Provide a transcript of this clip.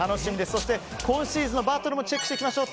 そして今シーズンのバトルもチェックしていきましょう。